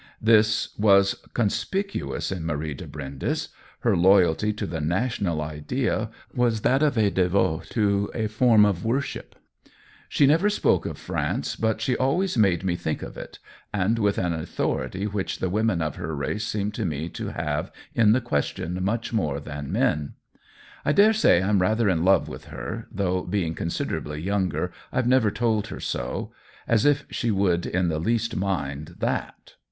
This was conspicuous in Marie de Brindes ; her loyalty to the national idea was that of a devote to a form of worship. She never COLLABORATION 1 1 3 spoke of France, but she always made me think of it, and with an authority which the women of her race seem to me to have in the question much more than the men. I dare say I'm rather in love with her, though, being considerably younger, IVe never told her so — as if she would in the least mind that